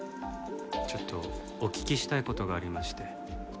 ちょっとお聞きしたい事がありまして。